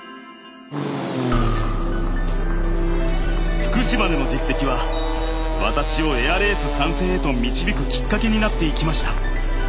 福島での実績は私をエアレース参戦へと導くきっかけになっていきました。